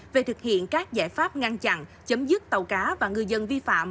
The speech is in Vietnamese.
về thực hiện các giải pháp ngăn chặn chấm dứt tàu cá và ngư dân vi phạm